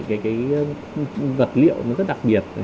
tìm kiếm nhà cung cấp những vật liệu rất đặc biệt